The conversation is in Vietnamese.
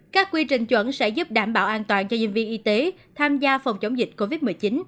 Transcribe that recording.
các quy trình chuẩn sẽ giúp đảm bảo an toàn cho nhân viên y tế tham gia phòng chống dịch covid một mươi chín